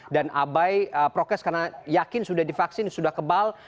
dan abai prokes karena yakin sudah divaksin sudah kebal